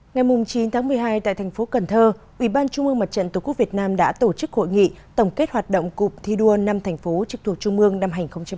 ngày chín tháng một mươi hai tại thành phố cần thơ ubndtqvn đã tổ chức hội nghị tổng kết hoạt động cụp thi đua năm thành phố trực thuộc trung ương năm hai nghìn một mươi chín